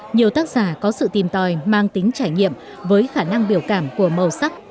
nhiều tác giả có sự tìm tòi mang tính trải nghiệm với khả năng biểu cảm của màu sắc